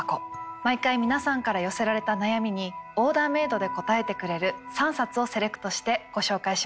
毎回皆さんから寄せられた悩みにオーダーメードで答えてくれる３冊をセレクトしてご紹介します。